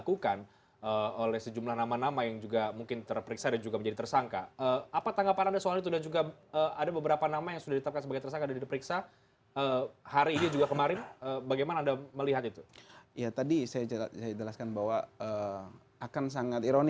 kemarin oke kemarin kita bahas nanti